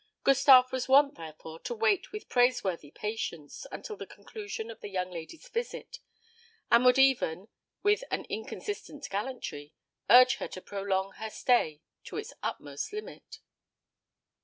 Gustave was wont, therefore, to wait with praiseworthy patience until the conclusion of the young lady's visit; and would even, with an inconsistent gallantry, urge her to prolong her stay to its utmost limit.